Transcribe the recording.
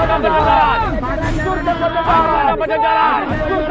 surga pada jarak